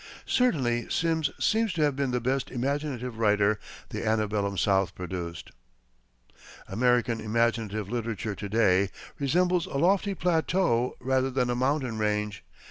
Certainly Simms seems to have been the best imaginative writer the antebellum South produced. American imaginative literature to day resembles a lofty plateau rather than a mountain range.